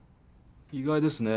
意外ですね。